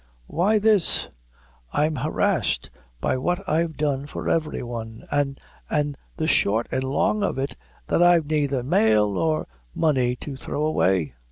"Why, this: I'm harrished by what I've done for every one; an' an' the short and the long of it is, that I've naither male nor money to throw away.